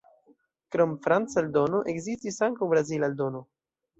Krom franca eldono, ekzistis ankaŭ brazila eldono.